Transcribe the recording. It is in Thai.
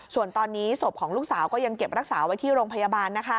ส่วนตอนนี้ศพของลูกสาวก็ยังเก็บรักษาไว้ที่โรงพยาบาล